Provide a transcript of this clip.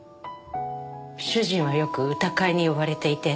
主人はよく歌会に呼ばれていて。